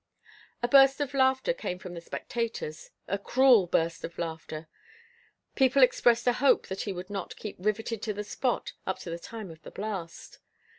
A burst of laughter came from the spectators, a cruel burst of laughter; people expressed a hope that he would not keep riveted to the spot up to the time of the blast.